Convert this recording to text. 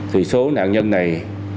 thì số nạn nhân này